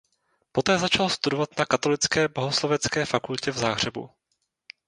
Poté začal studovat na Katolické bohoslovecké fakultě v Záhřebu.